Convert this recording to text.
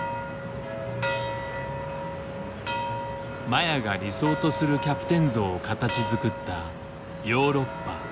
麻也が理想とするキャプテン像を形づくったヨーロッパ。